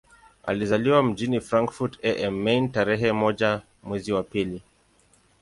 Alizaliwa mjini Frankfurt am Main tarehe moja mwezi wa pili